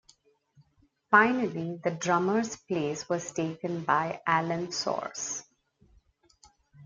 Finally, the drummer's place was taken by Alan Sors.